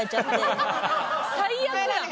最悪やん！